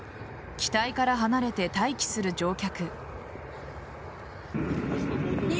期待から離れて待機する乗客。